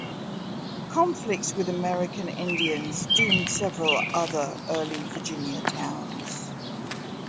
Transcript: Conflicts with American Indians doomed several other early Virginia towns.